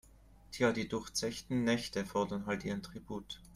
Tja, die durchzechten Nächte fordern halt ihren Tribut.